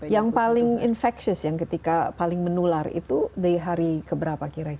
yang paling infectious yang ketika paling menular itu dari hari ke berapa kira kira